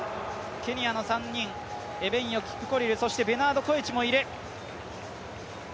ケニアの３人、エベンヨ、キプコリルそしてベナード・コエチもいる。